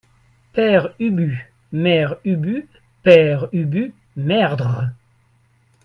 père ubu, mère ubu Père Ubu Merdre.